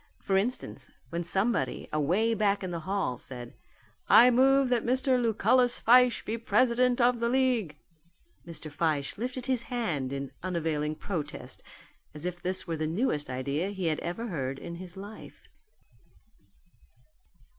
For instance when somebody away back in the hall said, "I move that Mr. Lucullus Fyshe be president of the league," Mr. Fyshe lifted his hand in unavailing protest as if this were the newest idea he had ever heard in his life.